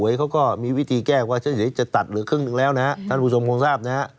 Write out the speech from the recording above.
เขาก็มีวิธีแก้ว่าเดี๋ยวจะตัดเหลือครึ่งหนึ่งแล้วนะฮะท่านผู้ชมคงทราบนะฮะ